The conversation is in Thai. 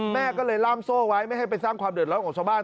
แม่ก็เลยล่ามโซ่ไว้ไม่ให้ไปสร้างความเดือดร้อนของชาวบ้าน